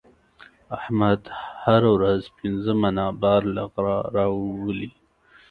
احمد هره ورځ پنځه منه بار له غره راولي.